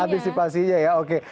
antisipasinya ya oke